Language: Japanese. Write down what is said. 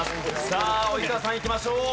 さあ及川さんいきましょう。